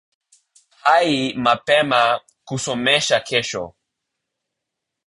Hayi mapema kusomesha kesho